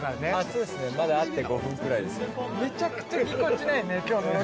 そうですね、まだ会って５分くらいですね。